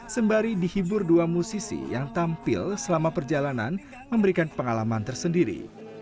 sembari dihibur dua musisi yang tampil selama perjalanan memberikan pengalaman tersendiri